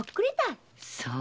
そう。